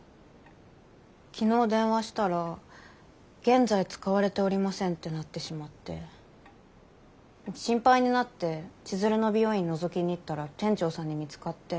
昨日電話したら「現在使われておりません」ってなってしまって心配になって千鶴の美容院のぞきに行ったら店長さんに見つかって。